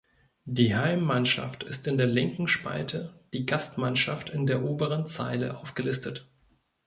Die Heimmannschaft ist in der linken Spalte, die Gastmannschaft in der oberen Zeile aufgelistet.